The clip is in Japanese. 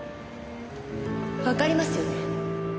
わかりますよね？